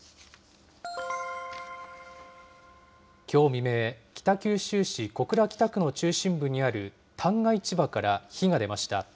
きょう未明、北九州市小倉北区の中心部にある旦過市場から火が出ました。